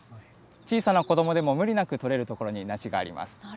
小さな子どもでも無理なく取れる所に梨があります。